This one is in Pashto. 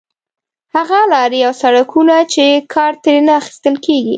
هغه لارې او سړکونه چې کار ترې نه اخیستل کېږي.